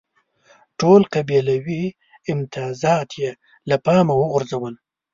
ټول قبیلوي امتیازات یې له پامه وغورځول.